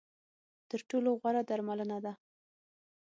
تر ټولو غوره درملنه ده .